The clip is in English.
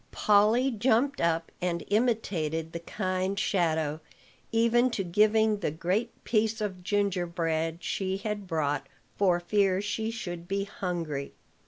Polly jumped up and imitated the kind shadow, even to giving the great piece of gingerbread she had brought for fear she should be hungry.